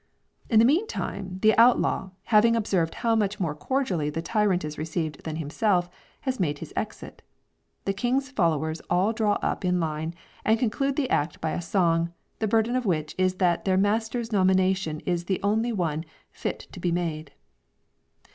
In the meantime, the outlaw, having observed how much more cordially the tyrant is received than himself, has made his exit. The king's followers all draw up in line and conclude the act by a song, the burden of which is that their master's nomination is the only one "fit to be made."